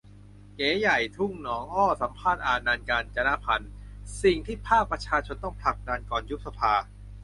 เก๋ใหญ่ ทุ่งหนองอ้อ สัมภาษณ์ อานันท์ กาญจนพันธุ์ :"สิ่งที่ภาคประชาชนต้องผลักดันก่อนยุบสภา"